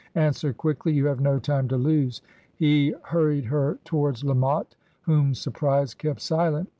... Answer qtiickly; you have no time to lose/ He ... hurried her towards La Motte^ whom surprise kept silent.